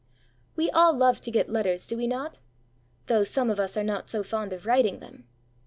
WE all love to get letters, do we not? though some of us are not so fond of writing them.